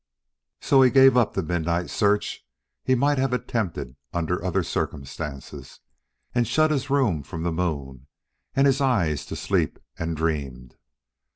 So he gave up the midnight search he might have attempted under other circumstances, and shut his room from the moon and his eyes to sleep, and dreamed.